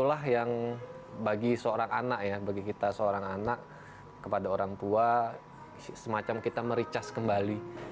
itulah yang bagi seorang anak ya bagi kita seorang anak kepada orang tua semacam kita mericas kembali